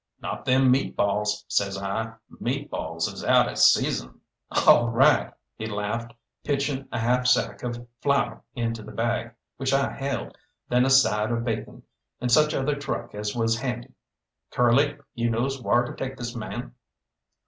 "Not them meat balls," says I; "meat balls is out of season." "All right," he laughed, pitching a half sack of flour into the bag which I held, then a side of bacon, and such other truck as was handy. "Curly, you knows whar to take this man?"